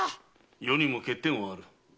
余にも欠点はある。